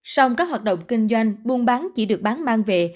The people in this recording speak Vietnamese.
sông các hoạt động kinh doanh buôn bán chỉ được bán mang về